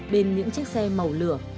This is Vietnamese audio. bên những chiếc xe màu lửa